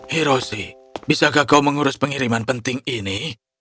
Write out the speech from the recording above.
hiroshi bisakah kau mengurus pengiriman penting ini